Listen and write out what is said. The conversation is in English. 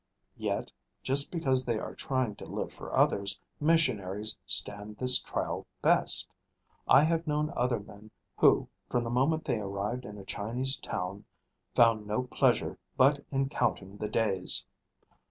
Yet, just because they are trying to live for others, missionaries stand this trial best. I have known other men who from the moment they arrived in a Chinese town found no pleasure but in counting the days.